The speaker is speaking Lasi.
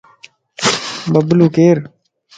ببلو ڪير؟